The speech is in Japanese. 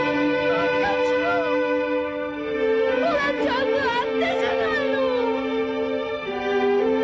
ほらちゃんとあったじゃないの。